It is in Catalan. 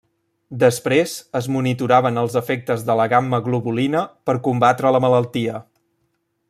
Després, es monitoraven els efectes de la gamma globulina per combatre la malaltia.